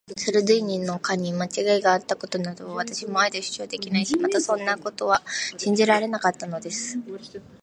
ソルディーニの課にまちがいがあったなどとは、私もあえて主張できないし、またそんなことは信じられなかったのです。